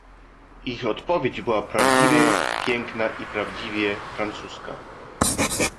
"Ich odpowiedź była prawdziwie piękna i prawdziwie francuska."